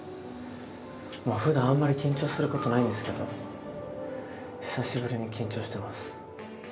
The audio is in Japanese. ふだんあんまり緊張することないんですけど久しぶりに緊張してます。